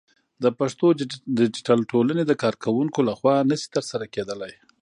د پښتو ديجيتل ټولنې د کارکوونکو لخوا نشي ترسره کېدلى